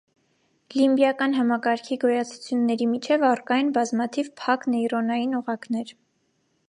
Լիմբիական համակարգի գոյացությունների միջև առկա են բազմաթիվ փակ նեյրոնային օղակներ։